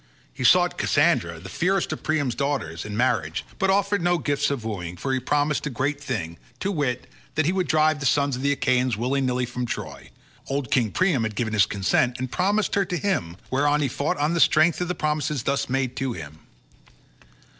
He sought Cassandra, the fairest of Priam's daughters, in marriage, but offered no gifts of wooing, for he promised a great thing, to wit, that he would drive the sons of the Achaeans willy nilly from Troy; old King Priam had given his consent and promised her to him, whereon he fought on the strength of the promises thus made to him.